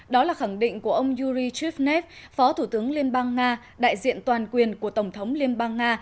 đó là khẳng định của ông yuri tripnev phó thủ tướng liên bang nga đại diện toàn quyền của tổng thống liên bang nga